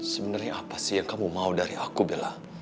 sebenarnya apa sih yang kamu mau dari aku bella